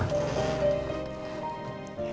kiki sadar diri kok mas